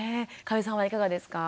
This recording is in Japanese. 加部さんはいかがですか？